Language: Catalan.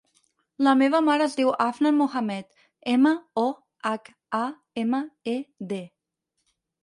La meva mare es diu Afnan Mohamed: ema, o, hac, a, ema, e, de.